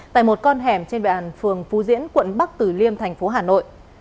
tại một con hẻm trên vẹn phường phú diễn quận bắc tử liêm thành phố hà nội